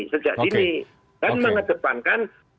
sejak dini dan mengedepankan